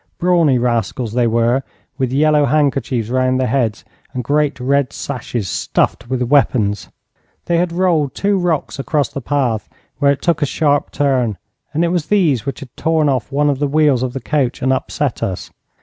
Brawny rascals they were, with yellow handkerchiefs round their heads, and great red sashes stuffed with weapons. They had rolled two rocks across the path, where it took a sharp turn, and it was these which had torn off one of the wheels of the coach and upset us.